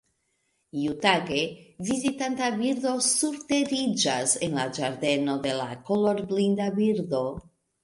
Iutage, vizitanta birdo surteriĝas en la ĝardeno de la kolorblinda birdo.